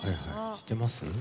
知ってます。